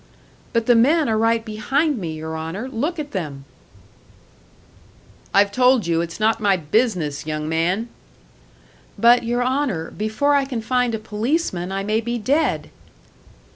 "But the men are right behind me, your Honour! Look at them!" "I've told you it's not my business, young man!" "But, your Honour, before I can find a policeman I may be dead!"